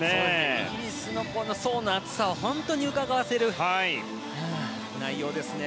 イギリスの層の厚さを本当にうかがわせる内容ですね。